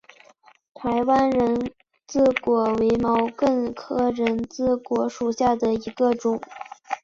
台湾人字果为毛茛科人字果属下的一个种。